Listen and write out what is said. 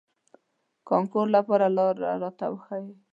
کانکور لپاره لار راته وښوئ.